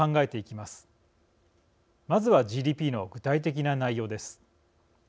まずはＧＤＰの具体的な内容です。